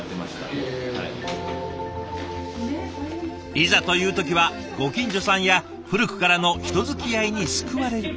いざという時はご近所さんや古くからの人づきあいに救われる。